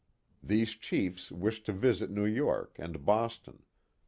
These chiefs wished to visit New York and Boston.